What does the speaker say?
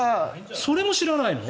それも知らないの？